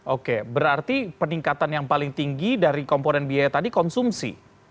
oke berarti peningkatan yang paling tinggi dari komponen biaya tadi konsumsi